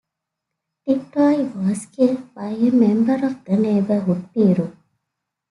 Tip Toe was killed by a member of the Neighborhood Piru.